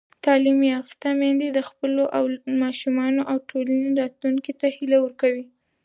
تعلیم یافته میندې د خپلو ماشومانو او ټولنې راتلونکي ته هیله ورکوي.